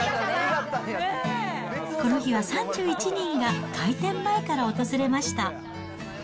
この日は３１人が開店前から訪れました。